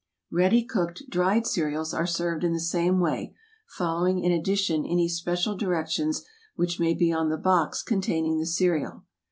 Ready cooked, dried cereals are served in the same way, following in addition any special directions which may be on the box containing the cereal.